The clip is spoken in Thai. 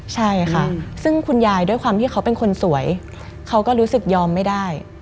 ใช่ค่ะซึ่งคุณยายด้วยความที่เขาเป็นคนสวยเขาก็รู้สึกยอมไม่ได้